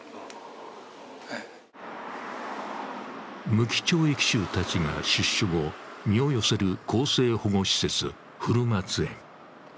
無期懲役囚たちが出所後、身を寄せる更生保護施設、古松園。